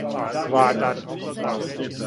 квадар